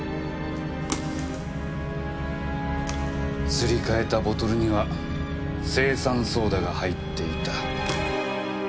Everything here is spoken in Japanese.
すり替えたボトルには青酸ソーダが入っていた。